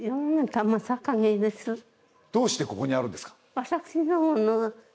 どうしてここにあるんですか？